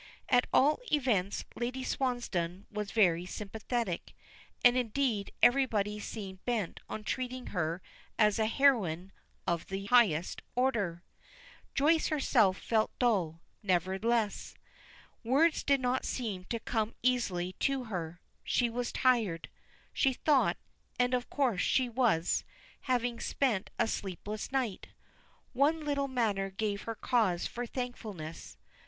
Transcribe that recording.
At all events Lady Swansdown was very sympathetic, and indeed everybody seemed bent on treating her as a heroine of the highest order. Joyce herself felt dull nerveless. Words did not seem to come easily to her. She was tired, she thought, and of course she was, having spent a sleepless night. One little matter gave her cause for thankfulness.